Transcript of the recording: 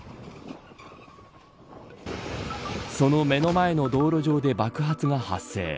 その目の前の道路上で爆発が発生。